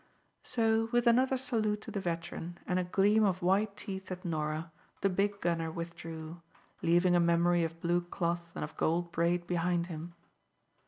So, with another salute to the veteran and a gleam of white teeth at Norah, the big gunner withdrew, leaving a memory of blue cloth and of gold braid behind him.